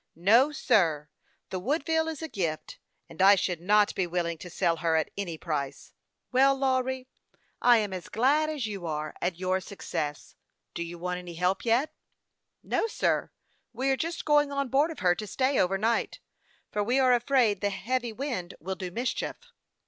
" No, sir ; the Woodville is a gift, and I should not be willing to sell her at any price." " Well, Lawry, I am as glad as you are at your success. Do you want any help yet ?"" No, sir ; we are just going on board of her to stay over night, for we are afraid the heavy wind will do mischief."